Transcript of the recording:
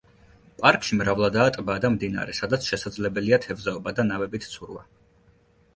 პარკში მრავლადაა ტბა და მდინარე, სადაც შესაძლებელია თევზაობა და ნავებით ცურვა.